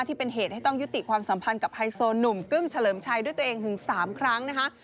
ที่เป็นเหตุให้ต้องยุติความสัมพันธ์กับไฮโซหนุ่มกึ้งเฉลิมชัยด้วยตัวเองถึง๓ครั้งนะคะ